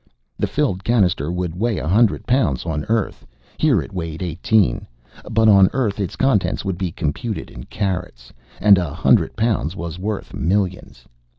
The filled cannister would weigh a hundred pounds on Earth. Here it weighed eighteen. But on Earth its contents would be computed in carats, and a hundred pounds was worth millions.